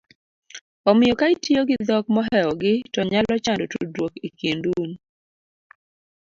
omiyo ka itiyo gi dhok mohewogi to nyalo chando tudruok e kind un